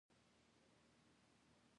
ستر کاستونه په کوچنیو ډلو وویشل شول.